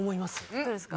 どれですか？